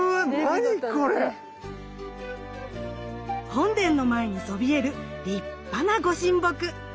本殿の前にそびえる立派なご神木。